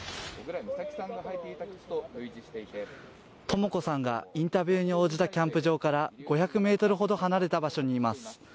とも子さんがインタビューに応じたキャンプ場から５００メートルほど離れた場所にいます